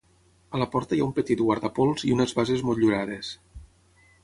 A la porta hi ha un petit guardapols i unes bases motllurades.